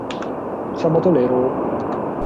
Sabato nero